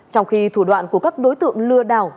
trong khi thủ đoạn của các đối tượng lừa đảo